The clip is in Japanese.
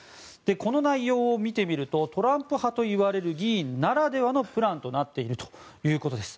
この内容を見てみるとトランプ派といわれる議員ならではのプランとなっているということです。